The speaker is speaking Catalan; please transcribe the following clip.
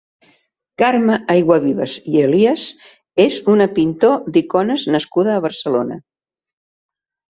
Carme Ayguavives i Elias és una pintor d’icones nascuda a Barcelona.